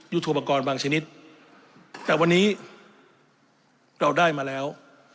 อุปกรณ์บางชนิดแต่วันนี้เราได้มาแล้ว